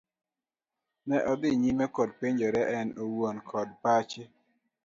Ne odhi nyime koda penjore en owuon koda pache.